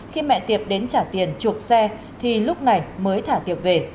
khi mẹ tiệp đến trả tiền chuộc xe thì lúc này mới thả tiệp về